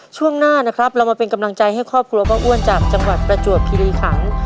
ช่วงหน้านะครับเรามาเป็นกำลังใจให้ครอบครัวป้าอ้วนจากจังหวัดประจวบคิริขัน